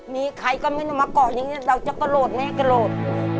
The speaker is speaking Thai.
มีใครก็ไม่ได้มาเกาะอย่างนี้เราจะกระโหลดแม่กระโหลด